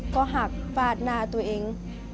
ก็หักฟาดหน้าตัวเอง